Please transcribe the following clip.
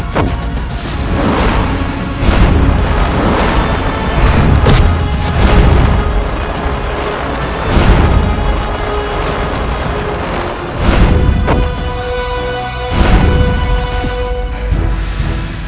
kau akan menang